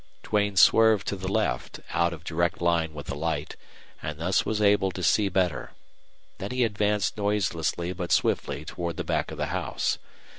Duane swerved to the left, out of direct line with the light, and thus was able to see better. Then he advanced noiselessly but swiftly toward the back of the house.